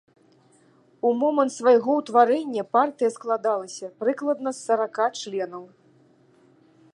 У момант свайго ўтварэння партыя складалася прыкладна з сарака членаў.